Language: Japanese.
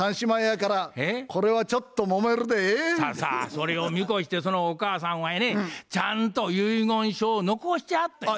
それを見越してそのお母さんはやねちゃんと遺言書を残してはったんや。